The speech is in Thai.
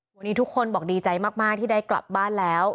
วันนี้ทุกคนบอกดีใจมากที่ได้กลับบ้านแล้ว